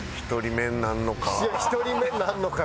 １人目になるのか。